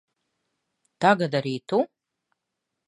Tagad arī tu?